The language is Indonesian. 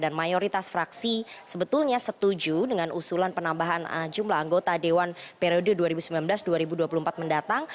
dan mayoritas fraksi sebetulnya setuju dengan usulan penambahan jumlah anggota dewan periode dua ribu sembilan belas dua ribu dua puluh empat mendatang